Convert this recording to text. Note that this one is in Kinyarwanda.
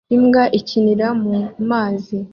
Imbwa ikinira mu mazi